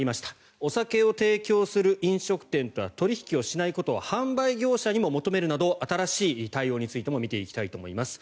お酒を提供する飲食店とは取引をしないことを販売業者に求めるなど新しい対策についても見ていきたいと思います。